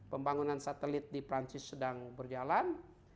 pembangunan satelit di perancis sedang berjalan